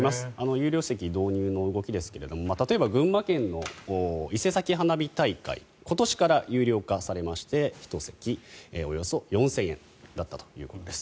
有料席導入の動きですが例えば、群馬県のいせさき花火大会今年から有料化されまして１席、およそ４０００円だったということです。